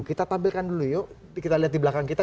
kita tampilkan dulu yuk kita lihat di belakang kita